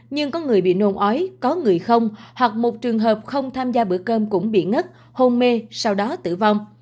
nhưng có người bị nôn ói có người không hoặc một trường hợp không tham gia bữa cơm cũng bị ngất hôn mê sau đó tử vong